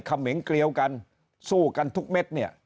เขมงเกลียวกันสู้กันทุกเม็ดเนี่ย